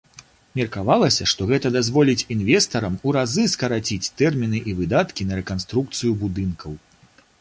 Меркавалася, што гэта дазволіць інвестарам у разы скараціць тэрміны і выдаткі на рэканструкцыю будынкаў.